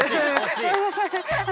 ごめんなさい。